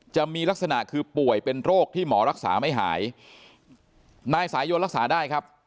จะมีลักษณะคือป่วยเป็นโรคที่หมอรักษาไม่หายนายสายยนรักษาได้ครับ